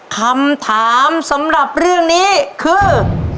คำถามสำหรับเรื่องนี้คือ